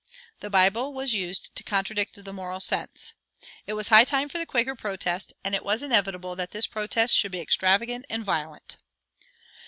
The Bible was used to contradict the moral sense. It was high time for the Quaker protest, and it was inevitable that this protest should be extravagant and violent.